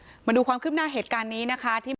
มาดูความคืบหน้าเหตุการณ์นี้นะคะ